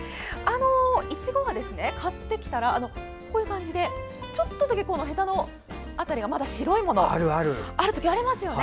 いちごは買ってきたらこういう感じで、ちょっとだけへたの辺りがまだ白いものがある時ありますよね。